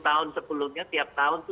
tahun sebelumnya tiap tahun